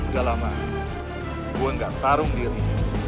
udah lama gue gak tarung diri